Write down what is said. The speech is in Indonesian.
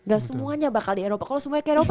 gak semuanya bakal di eropa kalau semuanya ke eropa